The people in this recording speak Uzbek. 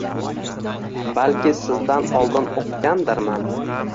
Balki sizdan oldin o‘qigandirman